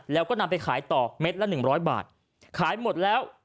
แล้วก็นำไปขายต่อเม็ดละ๑๐๐บาทขายหมดแล้ว